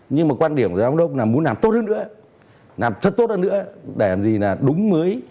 nhưng mà quan điểm của ông đốc là muốn làm tốt hơn nữa làm thật tốt hơn nữa để làm gì là đúng mới